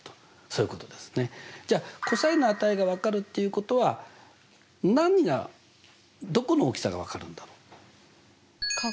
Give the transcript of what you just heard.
じゃあｃｏｓの値がわかるっていうことは何がどこの大きさがわかるんだろう？角？